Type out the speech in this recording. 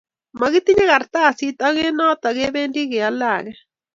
makitinye kartasit ak eng noton kibendi ke ale age